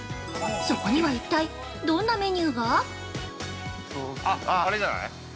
そこには一体どんなメニューが？◆あっ、あれじゃない？